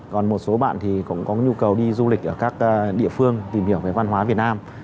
còn một số bạn thì cũng có nhu cầu đi du lịch ở các địa phương tìm hiểu về văn hóa việt nam